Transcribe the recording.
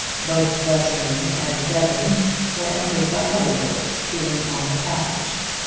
Both dressing room and bedroom were entered by other doors giving on the passage.